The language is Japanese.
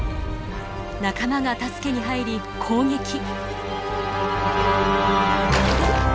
仲間が助けに入り攻撃！